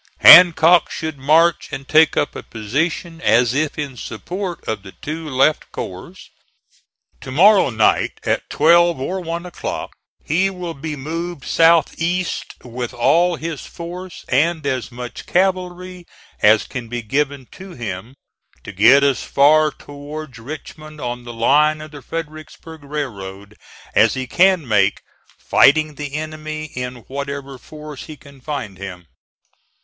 Hancock should march and take up a position as if in support of the two left corps. To morrow night, at twelve or one o'clock, he will be moved south east with all his force and as much cavalry as can be given to him, to get as far towards Richmond on the line of the Fredericksburg Railroad as he can make, fighting the enemy in whatever force he can find him.